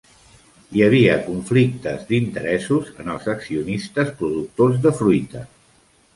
Hi havia conflictes d'interessos en els accionistes productors de fruita.